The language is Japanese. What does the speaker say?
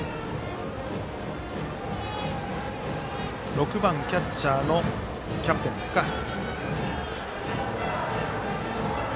６番キャッチャーのキャプテン、塚原。